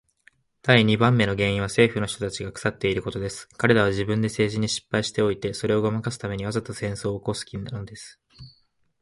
第二番目の原因は政府の人たちが腐っていることです。彼等は自分で政治に失敗しておいて、それをごまかすために、わざと戦争を起すのです。